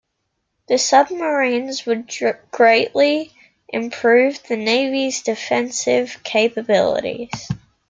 The submarines would greatly improve the Navy's defensive capabilities.